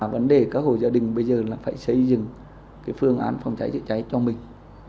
vấn đề các hộ gia đình bây giờ là phải xây dựng phương án phòng cháy chữa cháy cho mình